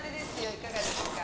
いかがですか。